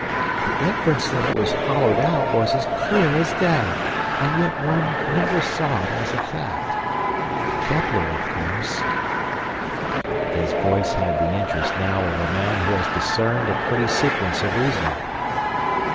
The inference that it was hollowed out was as clear as day. And yet one never saw it as a fact. Kepler, of course—" His voice had the interest now of a man who has discerned a pretty sequence of reasoning.